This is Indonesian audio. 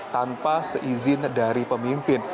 tanpa seizin dari pemimpin